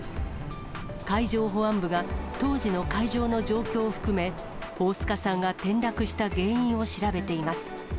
海上保安部が、当時の海上の状況を含め、大須賀さんが転落した原因を調べています。